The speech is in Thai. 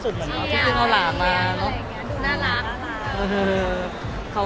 มีพี่จัดยื่นมากี่เรื่องแล้วกันนี้ครับ